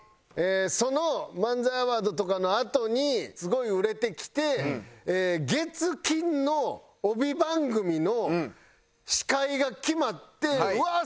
その漫才アワードとかのあとにすごい売れてきて月金の帯番組の司会が決まってうわー！